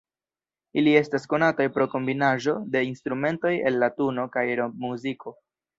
Ili estas konataj pro kombinaĵo de instrumentoj el latuno kaj rokmuziko.